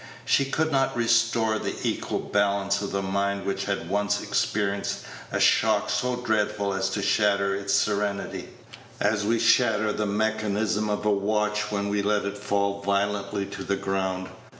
She could not restore the equal balance of the mind which had once experienced a shock so dreadful as to shatter its serenity, as we shatter the mechanism of a watch when we let it fall violently to the ground.